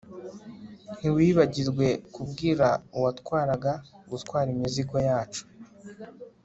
ntiwibagirwe kubwira uwatwaraga gutwara imizigo yacu